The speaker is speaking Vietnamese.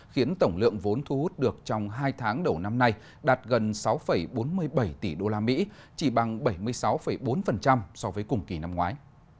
khiến tổng lượng vốn thu hút được trong hai tháng đầu năm nay đạt gần sáu bốn mươi bảy tỷ usd chỉ bằng bảy mươi sáu bốn so với cùng kỳ năm ngoái